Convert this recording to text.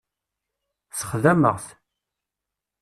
Sexdameɣ-t.